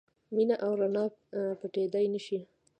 مینه او رڼا پټېدای نه شي.